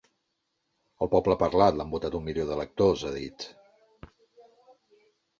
El poble ha parlat, l’han votat un milió d’electors, ha dit.